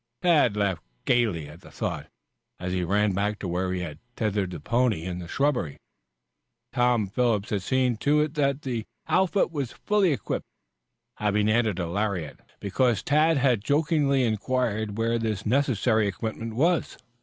Tad laughed gayly at the thought as he ran back to where he had tethered the pony in the shrubbery. Tom Phipps had seen to it that the outfit was fully equipped, having added a lariat, because Tad had jokingly inquired where this necessary equipment was.